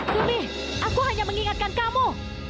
tubi aku hanya mengingatkan kamu